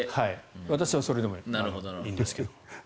私はそれでもいいんですが。